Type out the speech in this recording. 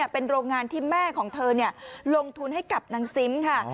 เป็นโรงงานที่แม่ของเธอลงทุนให้กับนางซิมค่ะ